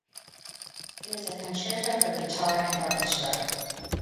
It is a "concerto" for guitar and orchestra.